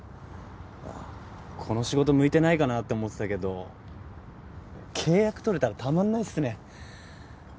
あぁこの仕事向いてないかなって思ってたけど契約取れたらたまんないっすね。